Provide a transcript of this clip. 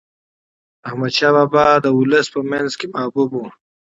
احمد شاه بابا د ولس په منځ کې محبوب و.